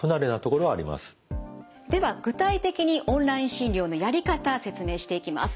では具体的にオンライン診療のやり方説明していきます。